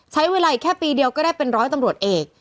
ใช้เวลาอีกแค่ปีเดียวก็ได้เป็นร้อยตำรวจเอก